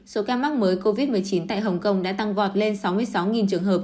số ca mắc mới covid một mươi chín tại hồng kông đã tăng vọt lên sáu mươi sáu trường hợp